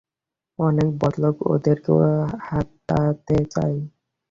অনেক বদলোক ওদেরকে হাতাতে চায়।